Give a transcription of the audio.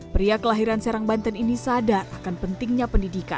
pria kelahiran serang banten ini sadar akan pentingnya pendidikan